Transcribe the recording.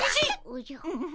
おじゃ。